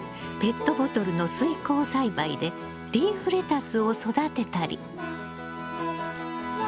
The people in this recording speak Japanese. ペットボトルの水耕栽培でリーフレタスを育てたり。